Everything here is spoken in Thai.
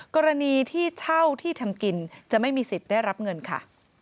กรณีที่เช่าที่ทำกินจะไม่มีสิทธิ์ได้รับเงินค่ะ